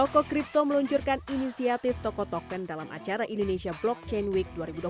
toko kripto meluncurkan inisiatif toko token dalam acara indonesia blockchain week dua ribu dua puluh